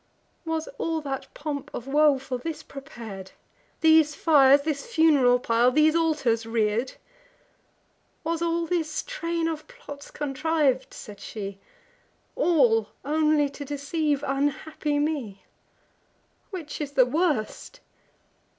"Was all that pomp of woe for this prepar'd; These fires, this fun'ral pile, these altars rear'd? Was all this train of plots contriv'd," said she, "All only to deceive unhappy me? Which is the worst?